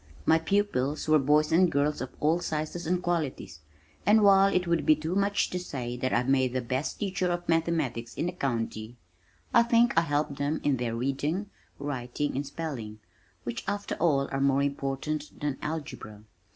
My pupils were boys and girls of all sizes and qualities, and while it would be too much to say that I made the best teacher of mathematics in the county, I think I helped them in their reading, writing, and spelling, which after all are more important than algebra.